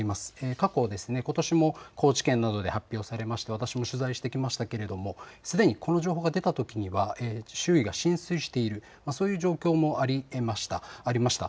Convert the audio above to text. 過去、ことしも高知県などで発表されまして私も取材してきましたけれどもすでにこの情報が出たときには周囲が浸水している、そういう状況もありました。